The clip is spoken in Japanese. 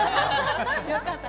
よかった。